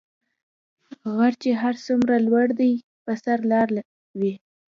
غر چی هر څومره لوړ دي په سر یي لار وي .